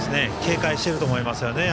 警戒していると思います。